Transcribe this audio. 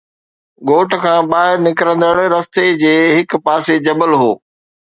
ڳوٺ کان ٻاهر نڪرندڙ رستي جي هڪ پاسي جبل هو